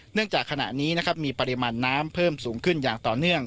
จากขณะนี้นะครับมีปริมาณน้ำเพิ่มสูงขึ้นอย่างต่อเนื่อง